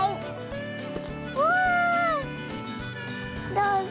どうぞ。